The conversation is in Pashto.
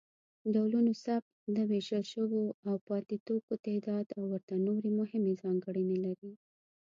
ډولونوثبت، د ویشل شویو او پاتې توکو تعداد او ورته نورې مهمې ځانګړنې لري.